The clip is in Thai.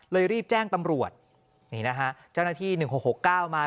รีบแจ้งตำรวจนี่นะฮะเจ้าหน้าที่๑๖๖๙มา